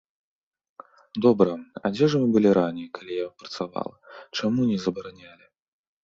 Добра, а дзе ж вы былі раней, калі я працавала, чаму не забаранялі?